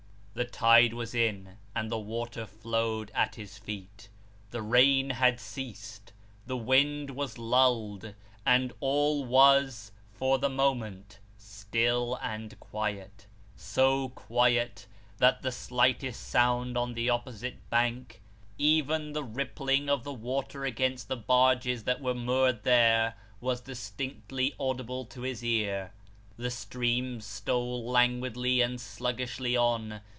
The tide was in, and the water flowed at his feet. The rain had ceased, the wind was lulled, and all was, for the moment, still and quiet so quiet, that the slightest sound on the opposite bank, even the rippling of the water against the barges that were moored there, was distinctly audible to his ear. The stream stole languidly and sluggishly on.